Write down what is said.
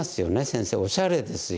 先生おしゃれですよ。